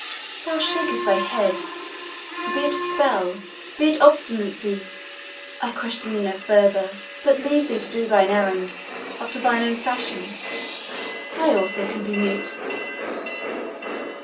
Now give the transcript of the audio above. Thou shakest thy head. Be it a spell be it obstinacy, I question thee no further, but leave thee to do thine errand after thine own fashion. I also can be mute."